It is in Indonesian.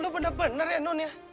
lu bener bener ya nun ya